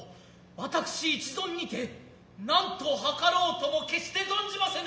私一存にて何と計らはうとも決して存じませぬ。